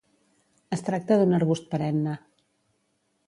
Es tracta d'un arbust perenne.